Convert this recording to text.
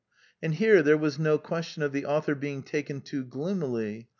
And here there was no question of the author being taken too gloomily.